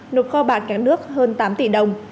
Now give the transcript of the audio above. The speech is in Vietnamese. nộp kho bản kém nước hơn tám tỷ đồng